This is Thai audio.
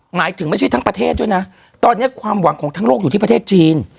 หมายถึงไม่ใช่ทั้งประเทศด้วยนะตอนนี้ความหวังของทั้งโลกอยู่ที่ประเทศจีน